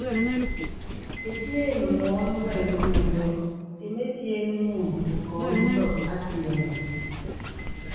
Piéné muɔ́nɔ́wɛnúmɛndú, emépíéne muundɔ ukɔɔ́nílɔpɔ ápiyáya.